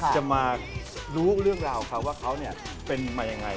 จะมารู้เรื่องราวเขาว่าเขาเป็นมายังไง